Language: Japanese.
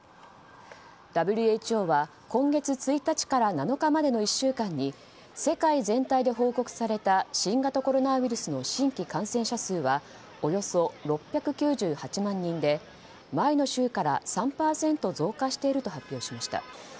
ＷＨＯは今月１日から７日までの１週間に世界全体で報告された新型コロナウイルスの新規感染者数はおよそ６９８万人で前の週から３％増加していると発表しました。